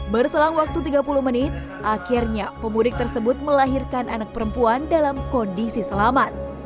berselang waktu tiga puluh menit akhirnya pemudik tersebut melahirkan anak perempuan dalam kondisi selamat